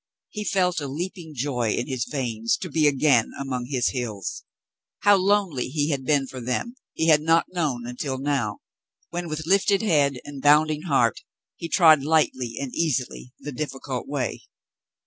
He felt a leaping joy in his veins to be again among his hills. How lonely he had been for them he had not known until now, when, with lifted head and bounding heart, he trod lightly and easily the difficult way.